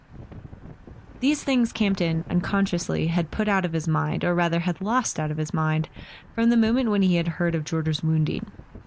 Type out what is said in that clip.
These things Campton, unconsciously, had put out of his mind, or rather had lost out of his mind, from the moment when he had heard of George's wounding.